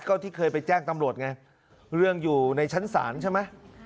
ก็ที่เคยไปแจ้งตำรวจไงเรื่องอยู่ในชั้นศาลใช่ไหม